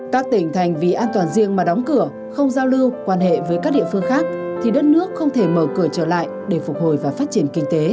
các tỉnh thành vì an toàn riêng mà đóng cửa không giao lưu quan hệ với các địa phương khác thì đất nước không thể mở cửa trở lại để phục hồi và phát triển kinh tế